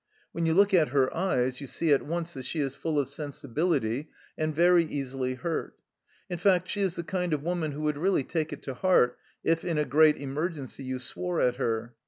When you look at her eyes you see at once that she is full of sensibility and very easily hurt in fact, she is the kind of woman who would really take it to heart if, in a great emergency, you swore at her